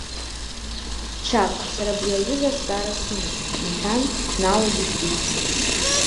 Чагә, сара абри аҩыза азҵаара сымоуп, — иҳәан, дналагеит уи.